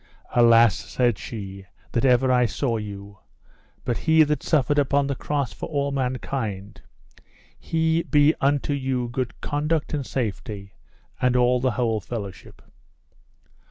Alas, said she, that ever I saw you; but he that suffered upon the cross for all mankind, he be unto you good conduct and safety, and all the whole fellowship.